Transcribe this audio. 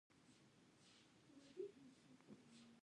کرنیزې ځمکې اوبو ته اړتیا لري.